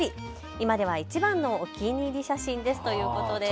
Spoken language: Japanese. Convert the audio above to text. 今ではいちばんのお気に入り写真ですということです。